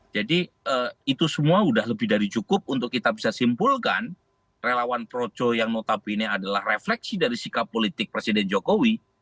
jadi itu semua sudah lebih dari cukup untuk kita bisa simpulkan relawan projek yang notabene adalah refleksi dari sikap politik presiden jokowi